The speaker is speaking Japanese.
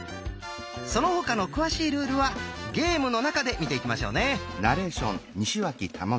その他の詳しいルールはゲームの中で見ていきましょうね！